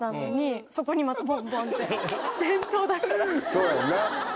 そうやんな。